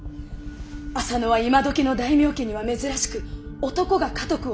浅野は今どきの大名家には珍しく男が家督を継いでおります。